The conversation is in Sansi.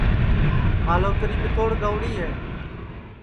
ٻالوتری کِتوڑ گئوڑی ہے